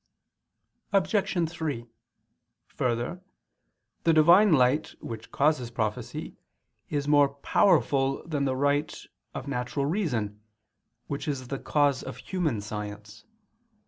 Obj. 3: Further, the Divine light which causes prophecy is more powerful than the right of natural reason which is the cause of human science.